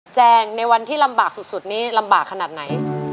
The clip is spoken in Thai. แงงในวันที่ลำบากสุดนี้ลำบากขนาดไหน